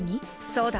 そうだ。